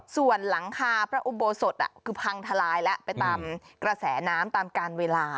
ส่วนหลังคาพระอุโบสถคือพังทลายแล้วไปตามกระแสน้ำตามการเวลา